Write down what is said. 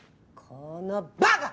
このバカ！